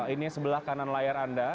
ini sebelah kanan layar anda